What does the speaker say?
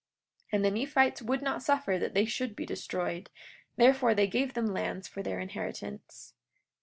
43:12 And the Nephites would not suffer that they should be destroyed; therefore they gave them lands for their inheritance.